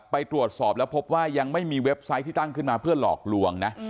ไปตรวจสอบแล้วพบว่ายังไม่มีเว็บไซต์ที่ตั้งขึ้นมาเพื่อหลอกลวงนะ